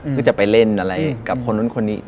ก็จะไปเล่นอะไรกับคนนั้นคนนี้